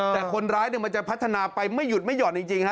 แต่คนร้ายมันจะพัฒนาไปไม่หยุดไม่ห่อนจริงฮะ